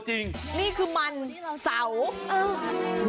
ที่นี่มันเสาครับ